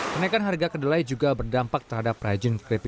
kenaikan harga kedelai juga berdampak terhadap rajin keripik